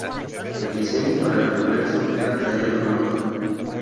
El diseño para el reverso era tallado en otro.